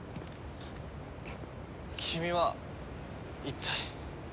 君は一体？